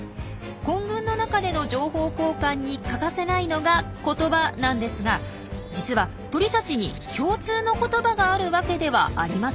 混群の中での情報交換に欠かせないのが「言葉」なんですが実は鳥たちに共通の言葉があるわけではありません。